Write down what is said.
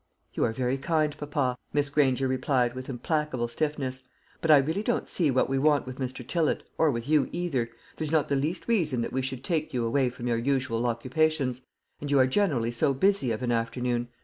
"You are very kind, papa," Miss Granger replied, with implacable stiffness; "but I really don't see what we want with Mr. Tillott, or with you either. There's not the least reason that we should take you away from your usual occupations; and you are generally so busy of an afternoon.